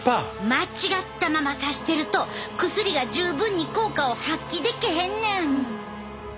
間違ったままさしてると薬が十分に効果を発揮できへんねん！